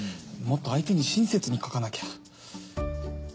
もっと相手に親切に書かなきゃ。